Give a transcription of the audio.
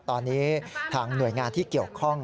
ตอนนี้ทางหน่วยงานที่เกี่ยวข้อง